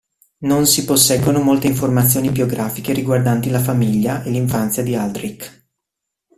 Non si posseggono molte informazioni biografiche riguardanti la famiglia e l'infanzia di Aldrich.